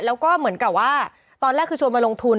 แล้วก็เหมือนกับว่าตอนแรกคือชวนมาลงทุน